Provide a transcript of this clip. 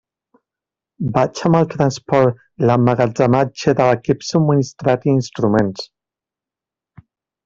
Vaig amb el transport i l'emmagatzematge de l'equip subministrat i instruments.